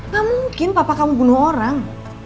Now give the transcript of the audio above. gak mungkin papa kamu bunuh orang